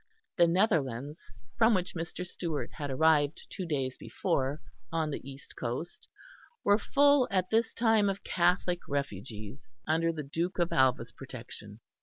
The Netherlands, from which Mr. Stewart had arrived two days before, on the east coast, were full at this time of Catholic refugees, under the Duke of Alva's protection.